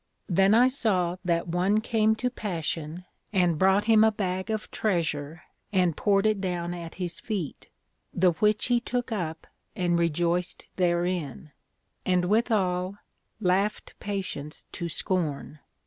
Then I saw that one came to Passion, and brought him a bag of treasure, and poured it down at his feet, the which he took up and rejoiced therein; and withal, laughed Patience to scorn.